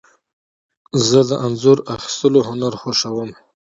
زه د انځور اخیستلو هنر خوښوم.